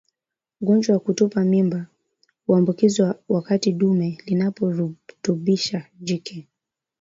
Ugonjwa wa kutupa mimba huambukizwa wakati dume linaporutubisha jike